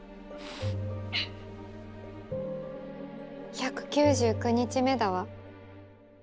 １９９日目だわ。